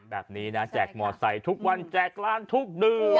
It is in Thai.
แบบนี้นะแจกมอไซค์ทุกวันแจกร้านทุกเดือน